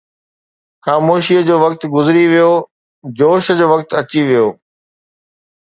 خاموشيءَ جو وقت گذري ويو، جوش جو وقت اچي ويو